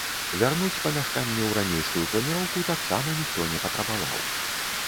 Вярнуць памяшканне ў ранейшую планіроўку таксама ніхто не патрабаваў.